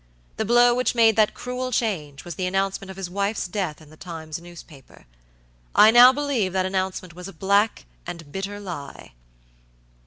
The blow which made that cruel change was the announcement of his wife's death in the Times newspaper. I now believe that that announcement was a black and bitter lie."